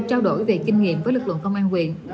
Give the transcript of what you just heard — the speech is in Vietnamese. trao đổi về kinh nghiệm với lực lượng công an quyền